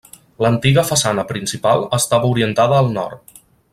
L'antiga façana principal estava orientada al nord.